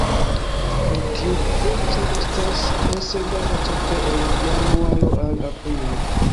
Tiu voĉo estas elsendata ĉefe el januaro al aprilo.